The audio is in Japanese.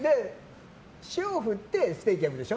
塩を振ってステーキを焼くでしょ。